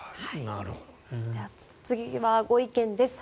次はご意見です。